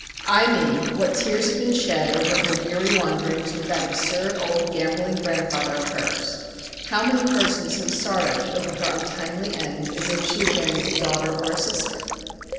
Ay me, what tears have been shed over her weary wanderings with that absurd old gambling grandfather of hers; how many persons have sorrowed over her untimely end as if she had been a daughter or a sister.